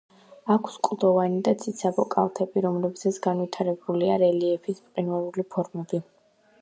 აქვს კლდოვანი და ციცაბო კალთები, რომლებზეც განვითარებულია რელიეფის მყინვარული ფორმები.